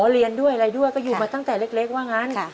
เรียนด้วยอะไรด้วยก็อยู่มาตั้งแต่เล็กว่างั้น